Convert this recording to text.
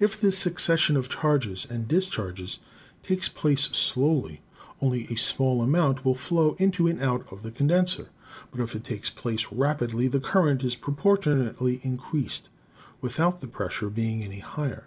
If this succession of charges and discharges takes place slowly, only a small amount will flow into and out of the condenser, but if it takes place rapidly the current is proportionately increased without the pressure being any higher.